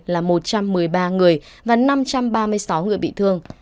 là một trăm một mươi ba người và năm trăm ba mươi sáu người bị thương